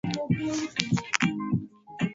Walivyofanya kwa kuangalia televisheni.